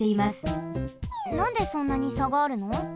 なんでそんなにさがあるの？